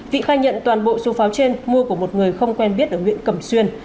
vị khai nhận toàn bộ số pháo trên mua của một người không quen biết ở huyện cẩm xuyên